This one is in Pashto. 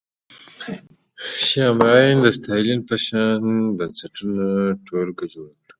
شیام عین د ستالین په شان د بنسټونو ټولګه جوړه کړه